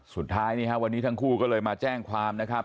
สุดท้ายวันนี้ทั้งคู่ก็เลยมาแจ้งความนะครับ